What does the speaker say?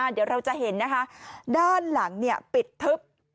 เดี๋ยวเราจะเห็นนะคะด้านหลังปิดทึบ